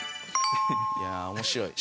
いや面白い。